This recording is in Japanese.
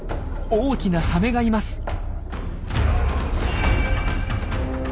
大きなサメがいます。